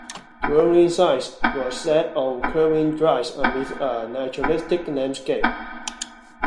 Dwelling sites were set on curving drives amidst a naturalistic landscape.